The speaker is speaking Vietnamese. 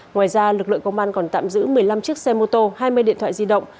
ngoài ra lực lượng công an còn tạm giữ một mươi năm chiếc xe mô tô hai mươi điện thoại di động